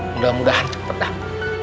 mudah mudahan cepet dah